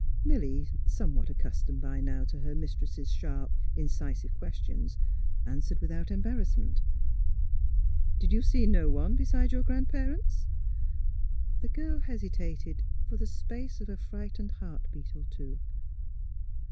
Milly, somewhat accustomed by now to her mis tress' sharp, incisive questions, answered without embarrassment. ^' Did you see no one besides your grand parents? " The girl hesitated for the space of a frightened heart beat or two.